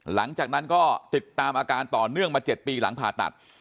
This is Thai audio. หลังจากนั้นก็ติดตามอาการต่อเนื่องมา๗ปีหลังผ่าตัด